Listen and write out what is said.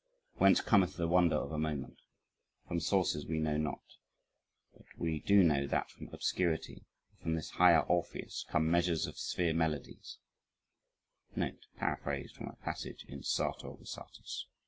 Whence cometh the wonder of a moment? From sources we know not. But we do know that from obscurity, and from this higher Orpheus come measures of sphere melodies [note: Paraphrased from a passage in Sartor Resartus.